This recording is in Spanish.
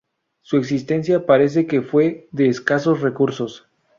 Su existencia parece que fue de escasos recursos.